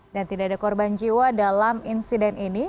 dan tidak ada korban jiwa dalam insiden ini